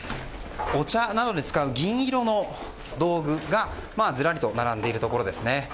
お茶などに使う銀色の道具がずらりと並んでいるところです。